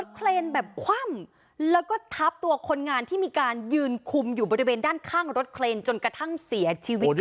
เคลนแบบคว่ำแล้วก็ทับตัวคนงานที่มีการยืนคุมอยู่บริเวณด้านข้างรถเครนจนกระทั่งเสียชีวิต